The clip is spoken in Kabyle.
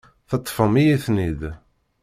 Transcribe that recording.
Teṭṭfem-iyi-ten-id.